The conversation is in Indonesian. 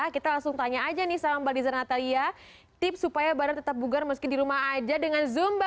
kita langsung tanya aja nih sama mbak liza natalia tips supaya badan tetap bugar meski di rumah aja dengan zumba